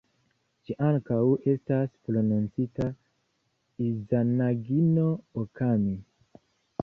Ĝi ankaŭ estas prononcita "Izanagi-no-Okami".